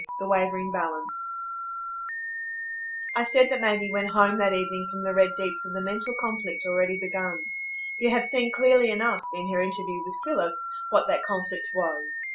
The Wavering Balance I said that Maggie went home that evening from the Red Deeps with a mental conflict already begun. You have seen clearly enough, in her interview with Philip, what that conflict was.